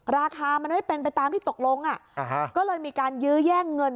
ราคามันไม่เป็นไปตามที่ตกลงก็เลยมีการยื้อแย่งเงิน